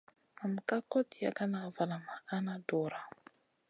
Nam ka kot yagana valam a na dura.